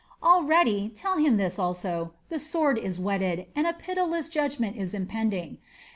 Already tell him this also the sword is whetted, and a pitiless judgment is impending.